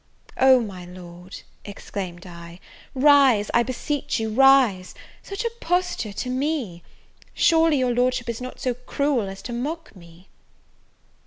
"O, my Lord," exclaimed I, "rise, I beseech you, rise! such a posture to me! surely your Lordship is not so cruel as to mock me!"